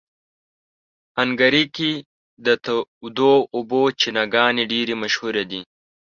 هنګري کې د تودو اوبو چینهګانې ډېرې مشهوره دي.